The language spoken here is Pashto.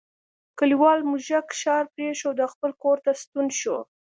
کلیوال موږک ښار پریښود او خپل کور ته ستون شو.